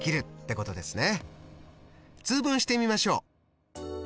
通分してみましょう。